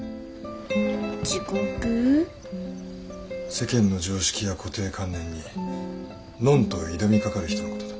世間の常識や固定観念に「ノン」と挑みかかる人のことだ。